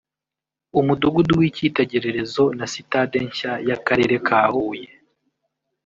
umudugudu w’ikitegererezo na Sitade nshya y’akarere ka Huye